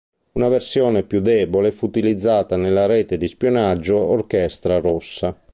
Una versione più debole fu utilizzata nella rete di spionaggio Orchestra Rossa.